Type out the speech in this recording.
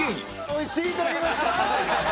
「おいしい」いただきました！